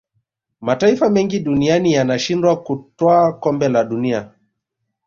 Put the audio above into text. mataifa mengi duniani yanashindwa kutwaa kombe la dunia